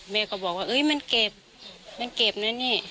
แม่ก็บอกว่ามันเก็บมันเก็บนะนี่